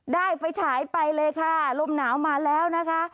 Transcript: ไฟฉายไปเลยค่ะลมหนาวมาแล้วนะคะ